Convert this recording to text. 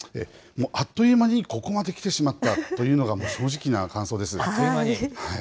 あっという間にここまできてしまったというのが正直な感想であっという間に？